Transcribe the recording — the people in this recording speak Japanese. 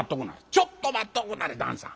ちょっと待っとくんなはれ旦さん。